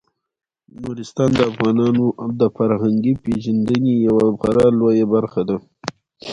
نورستان د افغانانو د فرهنګي پیژندنې یوه خورا لویه برخه ده.